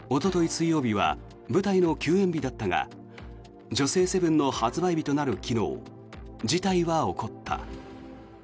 水曜日は舞台の休演日だったが「女性セブン」の発売日となる昨日、事態は起こった。